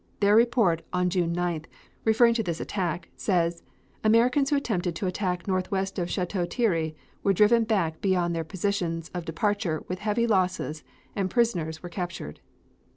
Their report on June 9th referring to this attack, says: "Americans who attempted to attack northwest of Chateau Thierry were driven back beyond their positions of departure with heavy losses and prisoners were captured."